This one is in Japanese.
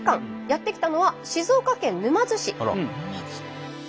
やって来たのは静岡県沼津市。